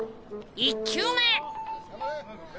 １球目！